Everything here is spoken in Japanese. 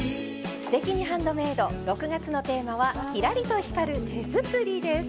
「すてきにハンドメイド」６月のテーマは「キラリと光る手作り」です。